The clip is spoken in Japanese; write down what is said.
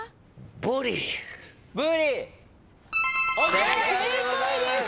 正解でございます。